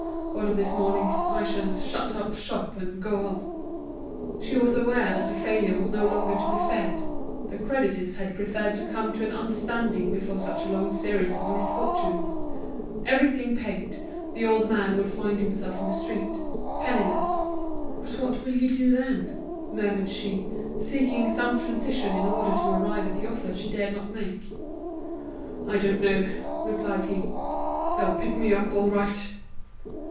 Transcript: One of these mornings I shall shut up shop and go off." She was aware that a failure was no longer to be feared. The creditors had preferred to come to an understanding before such a long series of misfortunes. Everything paid, the old man would find himself in the street, penniless. "But what will you do, then?" murmured she, seeking some transition in order to arrive at the offer she dared not make. "I don't know," replied he. "They'll pick me up all right."